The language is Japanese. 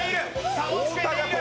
差をつけている。